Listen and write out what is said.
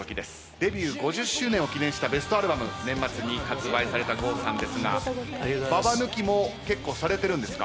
デビュー５０周年を記念したベストアルバム年末に発売された郷さんですがババ抜きも結構されてるんですか？